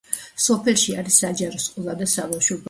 სოფელში არის საჯარო სკოლა და საბავშვო ბაღი.